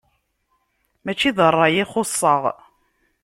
Mačči d ṛṛay i xuṣṣeɣ.